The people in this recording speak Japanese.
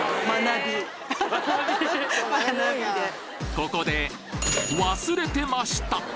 ここで忘れてました